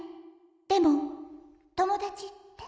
でもともだちって？」。